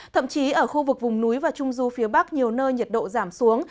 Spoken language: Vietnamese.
thậm chí ở khu vực vùng núi và trung du phía bắc nhiều nơi nhiệt độ giảm xuống